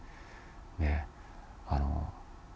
であの。